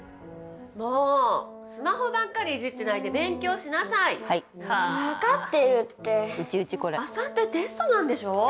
もうスマホばっかりいじってないで勉強しなさいわかってるってあさってテストなんでしょ？